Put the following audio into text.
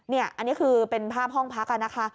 นี่อันนี้คือเป็นภาพห้องพักนะคะ